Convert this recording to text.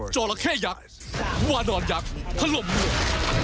จอหลักเข้ยักษ์ว่านอนยักษ์ถล่มห่วง